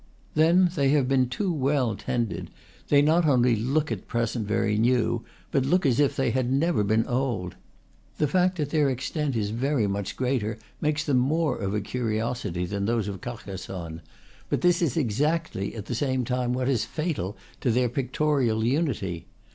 Then they have been too well tended; they not only look at present very new, but look as if they had never been old. The fact that their extent is very much greater makes them more of a curiosity than those of Carcas sonne; but this is exactly, as the same time, what is fatal to their pictorial unity.